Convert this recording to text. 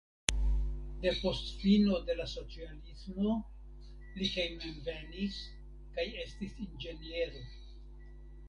Depost fino de la socialismo li hejmenvenis kaj estis inĝeniero.